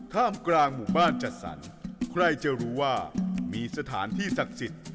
กลางหมู่บ้านจัดสรรใครจะรู้ว่ามีสถานที่ศักดิ์สิทธิ์